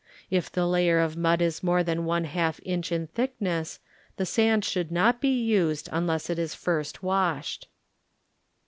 If the layer of mud is more than one half inch in thickness, the sand should not be used unless it is first washed.